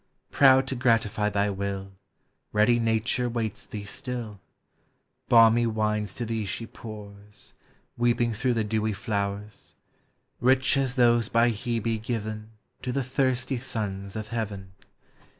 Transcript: Proud to gratify thy will, Ready Nature waits thee still; Balmy wines to thee she pours, Weeping through the dewy flowers, Rich as those by Hebe given To the thirsty sons of heaven.